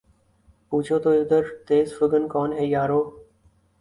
پوچھو تو ادھر تیر فگن کون ہے یارو